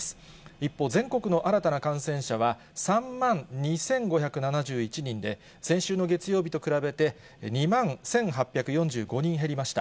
一方、全国の新たな感染者は３万２５７１人で、先週の月曜日と比べて、２万１８４５人減りました。